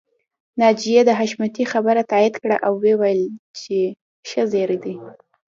ناجيې د حشمتي خبره تاييد کړه او وويل چې ښه زيری دی